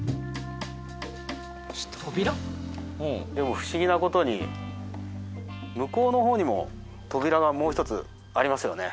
不思議な事に向こうの方にも扉がもう一つありますよね？